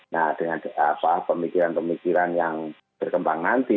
nah dengan pemikiran pemikiran yang berkembang nanti